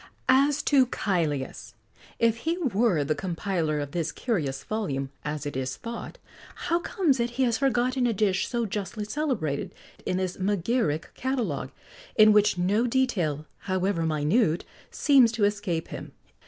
[XX 64] As to Cælius, if he were the compiler of this [Illustration: Pl. 10] curious volume, as it is thought, how comes it he has forgotten a dish so justly celebrated, in this magiric catalogue, in which no detail, however minute, seems to escape him?